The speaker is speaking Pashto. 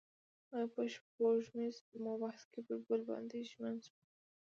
هغوی په سپوږمیز محبت کې پر بل باندې ژمن شول.